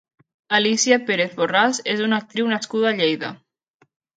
Alícia Pérez Borràs és una actriu nascuda a Lleida.